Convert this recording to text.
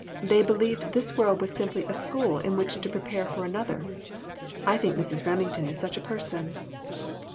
They believed this world was simply a school in which to prepare for another. I think Mrs. Rem ;ngton is such a person."